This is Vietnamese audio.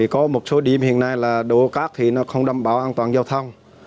có một số điểm hiện nay là độ cát thì nó không đảm bảo an toàn giao thông